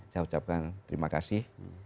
saya ucapkan terima kasih